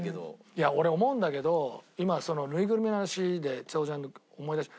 いや俺思うんだけど今そのぬいぐるみの話でちさ子ちゃんの思い出した。